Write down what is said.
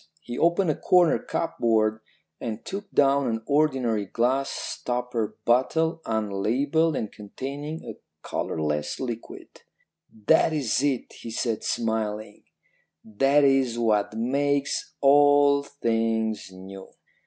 He opened a corner cupboard and took down an ordinary glass stopper bottle, unlabelled and containing a colourless liquid. "'That is it,' he said smiling; 'that is what makes all things new.'